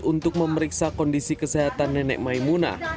untuk memeriksa kondisi kesehatan nenek maimuna